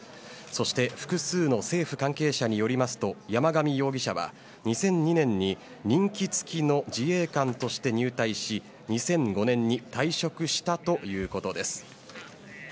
そして、複数の政府関係者によりますと山上容疑者は２００２年に任期付きの自衛官として入隊し２００５年に退職したということです。